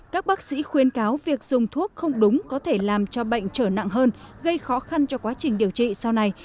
các bác sĩ khuyên cáo việc dùng thuốc không đúng có thể làm cho bệnh trở nặng hơn gây khó khăn cho quá trình điều trị sau này